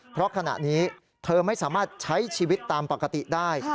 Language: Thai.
เพราะขณะนี้เธอไม่สามารถใช้ชีวิตตามปกติได้